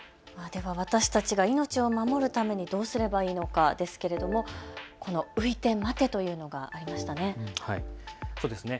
では私たちが命を守るためにはどうすればいいのかですけれども、浮いてと待てというのがありましたね。